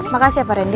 makasih ya pak randy